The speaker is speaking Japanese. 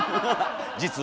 実は。